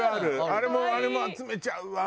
あれもあれも集めちゃうわ。